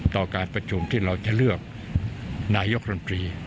ต่อการประชุมที่เราจะเลือกนายกรมตรี